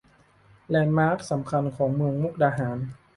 แลนด์มาร์คสำคัญของเมืองมุกดาหาร